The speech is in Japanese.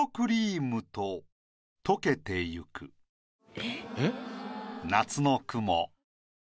えっ？